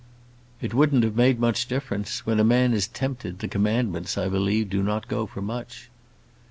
"It wouldn't have made much difference. When a man is tempted, the Commandments, I believe, do not go for much."